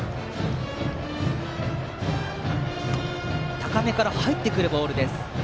高めから入ってくるボール。